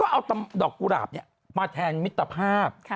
ก็เอาตำดอกกุหลาบเนี่ยมาแทนมิตรภาพ